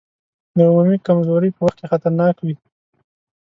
د عمومي کمزورۍ په وخت کې خطرناک وي.